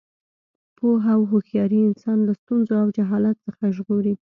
پوهه او هوښیاري انسان له ستونزو او جهالت څخه ژغوري.